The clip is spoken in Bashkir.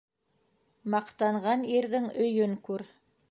Маҡтанған ирҙең өйөн күр.